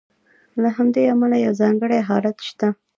له همدې امله یو ځانګړی حالت شته.